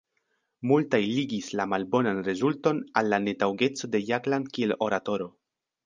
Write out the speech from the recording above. Multaj ligis la malbonan rezulton al la netaŭgeco de Jagland kiel oratoro.